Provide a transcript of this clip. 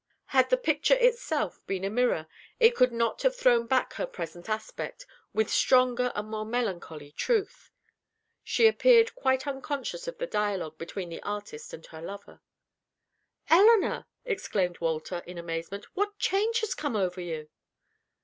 Had the picture itself been a mirror, it could not have thrown back her present aspect, with stronger and more melancholy truth. She appeared quite unconscious of the dialogue between the artist and her lover. "Elinor," exclaimed Walter, in amazement, "what change has come over you?"